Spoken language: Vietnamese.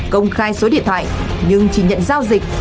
công khai số điện thoại nhưng chỉ nhận giao dịch